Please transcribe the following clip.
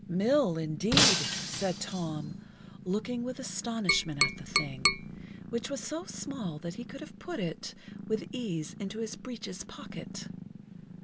"Mill, indeed!" said Tom, looking with astonishment at the thing, which was so small that he could have put it with ease into his breeches pocket.